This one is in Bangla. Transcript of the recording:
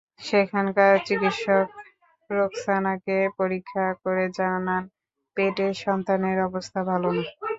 সেখানকার চিকিৎসক রোখসানাকে পরীক্ষা করে জানান, পেটের সন্তানের অবস্থা ভালো না।